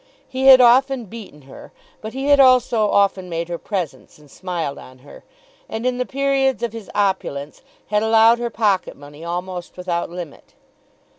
He had often beaten her; but he had also often made her presents and smiled on her, and in the periods of his opulence, had allowed her pocket money almost without limit.